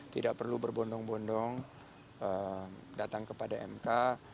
tidak perlu berbondong bondong datang kepada mk